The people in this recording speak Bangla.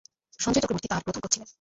সঞ্জয় চক্রবর্তী তাঁর প্রথম কোচ ছিলেন।